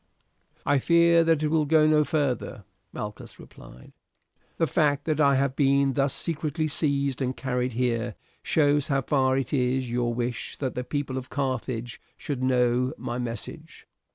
"I fear that it will go no further," Malchus replied. "The fact that I have been thus secretly seized and carried here, shows how far it is your wish that the people of Carthage should know my message.